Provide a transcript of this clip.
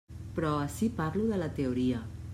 Però ací parlo de la teoria.